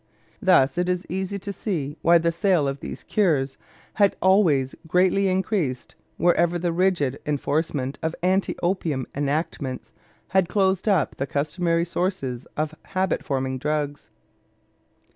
Thus it is easy to see why the sale of these cures had always greatly increased wherever the rigid enforcement of anti opium enactments had closed up the customary sources of habit forming drugs.